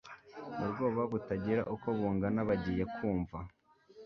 mu bwoba butagira uko bungana bagiye kumva